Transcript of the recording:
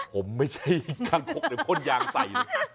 ผมไม่ใช่กรังคกในข้นยางใส